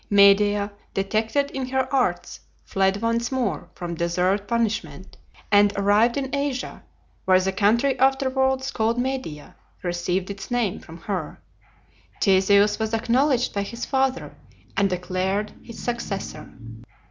Medea, detected in her arts, fled once more from deserved punishment, and arrived in Asia, where the country afterwards called Media received its name from her, Theseus was acknowledged by his father, and declared his successor.